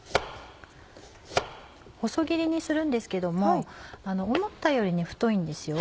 細切りにするんですけども思ったより太いんですよ。